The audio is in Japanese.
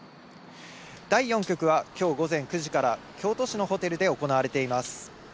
第４局はきょう午前９時から京都市のホテルで行われています。